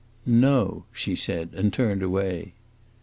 "No!" she said, and turned away.